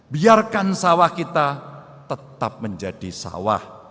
biarkan sawah kita tetap menjadi sawah